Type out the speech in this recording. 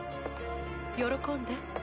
喜んで。